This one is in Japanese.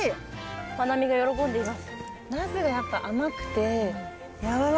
マナミが喜んでいます。